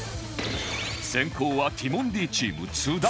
先攻はティモンディチーム津田